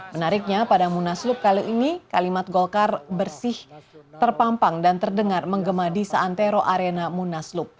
menariknya pada munaslup kali ini kalimat golkar bersih terpampang dan terdengar menggema di santero arena munaslup